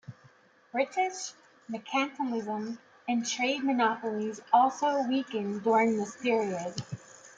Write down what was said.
British mercantilism and trade monopolies also weakened during this period.